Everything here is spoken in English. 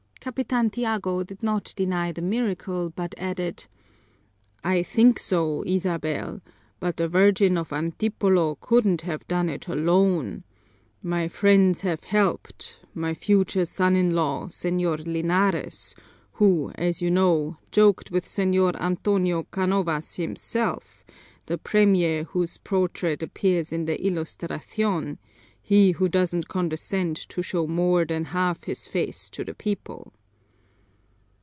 Capitan Tiago did not deny the miracle, but added: "I think so, Isabel, but the Virgin of Antipolo couldn't have done it alone. My friends have helped, my future son in law, Señor Linares, who, as you know, joked with Señor Antonio Canovas himself, the premier whose portrait appears in the Ilustración, he who doesn't condescend to show more than half his face to the people."